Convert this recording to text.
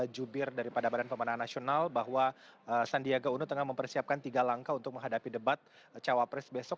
jubir daripada badan pemenang nasional bahwa sandiaga uno tengah mempersiapkan tiga langkah untuk menghadapi debat cawapres besok